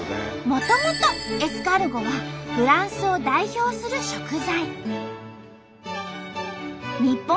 もともとエスカルゴはフランスを代表する食材。